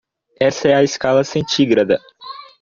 Essa é a escala centigrada.